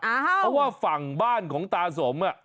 เพราะว่าฝั่งบ้านของตาสม